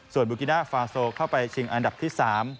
ส่วนบูกิน่าฟาโซเข้าไปชิงอันดับที่๓